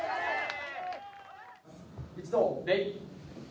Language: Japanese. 一同、礼。